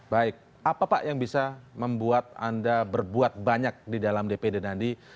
baik apa pak yang bisa membuat anda berbuat banyak di dalam dpd nanti